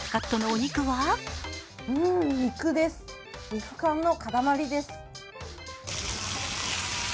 肉感の塊です。